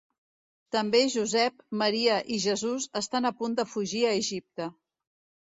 També Josep, Maria i Jesús estan a punt de fugir a Egipte.